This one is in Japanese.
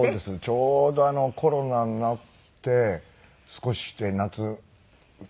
ちょうどコロナになって少しして夏体調の変化をね